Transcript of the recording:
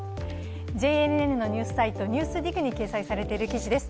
ＪＮＮのニュースサイト「ＮＥＷＳＤＩＧ」に掲載されている記事です。